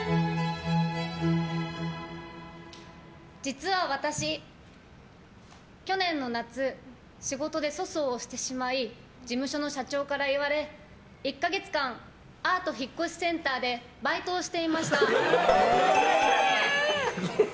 実は私、去年の夏仕事で粗相をしてしまい事務所の社長から言われ１か月間アート引越センターでバイトをしていました。